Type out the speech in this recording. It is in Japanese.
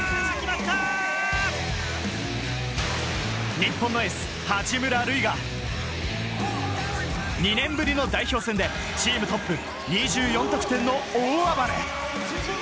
日本のエース・八村塁が２年ぶりの代表戦でチームトップ、２４得点の大暴れ。